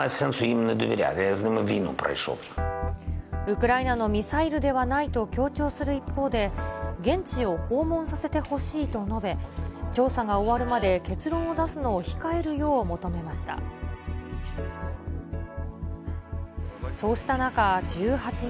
ウクライナのミサイルではないと強調する一方で、現地を訪問させてほしいと述べ、調査が終わるまで結論を出すのを控えるよう求めました。